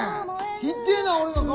ひでえな俺の顔。